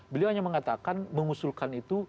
beliau hanya mengatakan mengusulkan itu